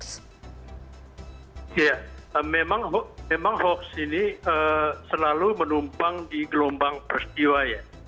ya memang hoax ini selalu menumpang di gelombang peristiwa ya